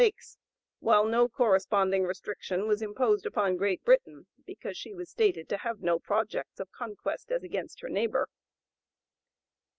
079) lakes; while no corresponding restriction was imposed upon Great Britain, because she was stated to have no projects of conquest as against her neighbor.